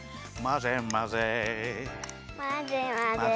まぜまぜ！